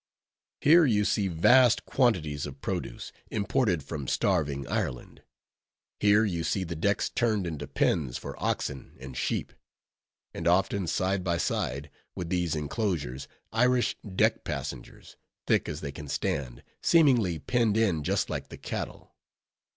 Here you see vast quantities of produce, imported from starving Ireland; here you see the decks turned into pens for oxen and sheep; and often, side by side with these inclosures, Irish deck passengers, thick as they can stand, seemingly penned in just like the cattle.